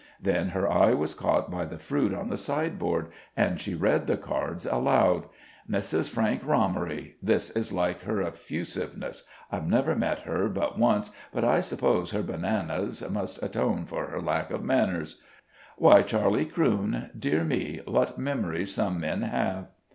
Then her eye was caught by the fruit on the sideboard, and she read the cards aloud: "Mrs. Frank Rommery this is like her effusiveness. I've never met her but once, but I suppose her bananas must atone for her lack of manners. Why, Charley Crewne! Dear me! What memories some men have!"